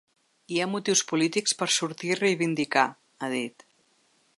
Hi ha motius polítics per sortir i reivindicar, ha dit.